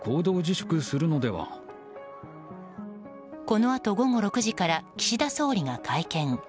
このあと午後６時から岸田総理が会見。